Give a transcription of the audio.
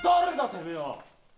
てめえは。